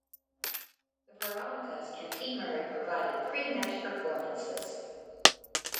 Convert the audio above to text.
The Veronicas and Pete Murray provided pre-match performances.